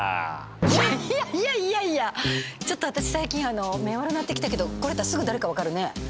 いやいやいやいやちょっと私最近目悪なってきたけどこれやったらすぐ誰か分かるね。